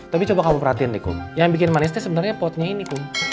tapi coba kamu perhatiin deh kum yang bikin manisnya sebenarnya potnya ini kum